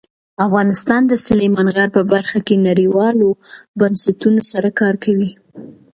افغانستان د سلیمان غر په برخه کې نړیوالو بنسټونو سره کار کوي.